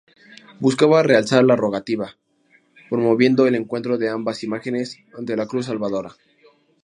Buscaba realzar la rogativa, promoviendo el encuentro de ambas imágenes ante la Cruz Salvadora.